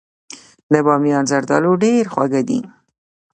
د بامیان زردالو ډیر خواږه دي.